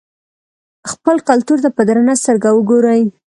خپل کلتور ته په درنه سترګه وګورئ.